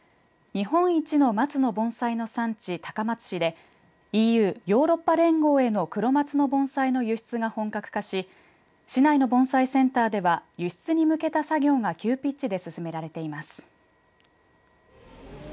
日本一の松の盆栽の産地、高松市でＥＵ、ヨーロッパ連合への黒松の盆栽の輸出が本格化し市内の盆栽センターでは輸出に向けた作業が急ピッチで進められています。